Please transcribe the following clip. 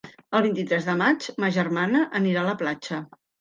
El vint-i-tres de maig ma germana anirà a la platja.